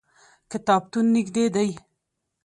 کتابتون نږدې دی